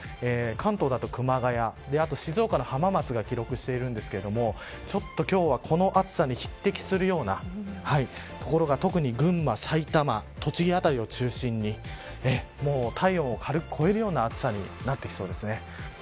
関東だと熊谷静岡の浜松が記録していますが今日はこの暑さに匹敵するような所が、特に群馬、埼玉、栃木辺りを中心に体温を軽く超えるような暑さになってきそうです。